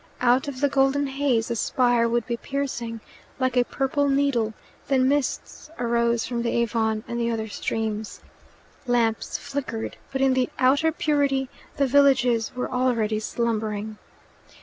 Out of the golden haze the spire would be piercing, like a purple needle; then mists arose from the Avon and the other streams. Lamps flickered, but in the outer purity the villages were already slumbering.